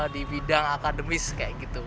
di bidang akademis kayak gitu